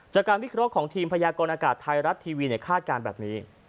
จากการวิเคราะห์ของทีมพยากรอากาศไทยรัฐทีวีคาดการณ์แบบนี้